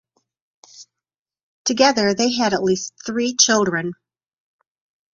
Together they had at least three children.